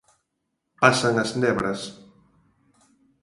Pasan as nebras...